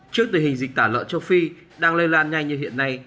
trước tình hình dịch tả lợn châu phi đang lây lan nhanh như hiện nay